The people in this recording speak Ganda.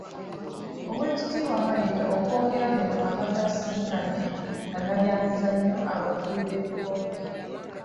Oweekitiibwa Mayiga okwogera bino abadde asisinkanye bannabyamizannyo abakubi b'ebikonde